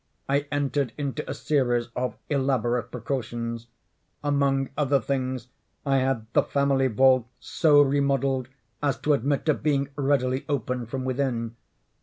I entered into a series of elaborate precautions. Among other things, I had the family vault so remodelled as to admit of being readily opened from within.